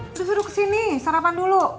terus duduk sini sarapan dulu